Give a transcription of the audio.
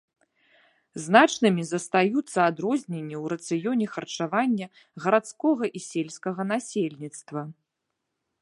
Значнымі застаюцца адрозненні ў рацыёне харчавання гарадскога і сельскага насельніцтва.